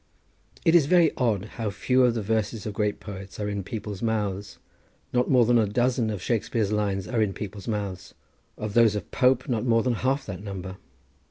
It was very odd how few of the verses of great poets are in people's mouths. Not more than a dozen of Shakespear's lines are in people's mouths; of those of Pope not more than half that number.